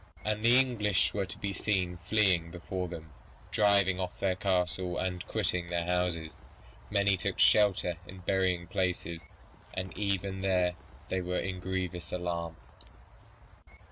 And the English were to be seen fleeing before them, driving off their cattle, and quitting their houses. Many took shelter in burying places, and even there they were in grievous alarm."